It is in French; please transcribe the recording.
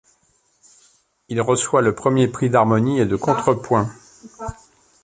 Il reçoit le premier prix d'harmonie et de contrepoint.